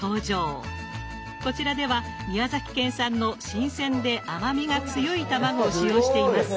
こちらでは宮崎県産の新鮮で甘みが強い卵を使用しています。